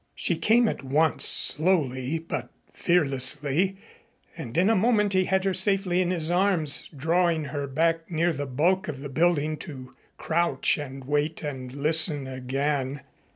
She came at once, slowly but fearlessly, and in a moment he had her safely in his arms, drawing her back near the bulk of the building to crouch and wait and listen again.